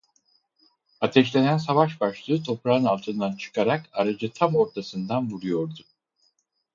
Ateşlenen savaş başlığı toprağın altından çıkarak aracı tam ortasından vuruyordu.